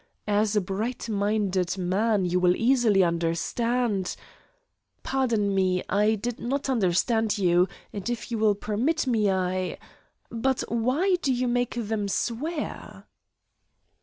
As a brightminded man you will easily understand " "Pardon me. I did not understand you, and if you will permit me I But why do you make them swear?"